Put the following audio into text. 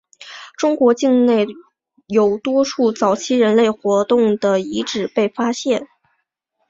中国境内有多处早期人类活动的遗址被发现。